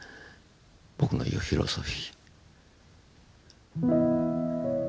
僕の言うフィロソフィー。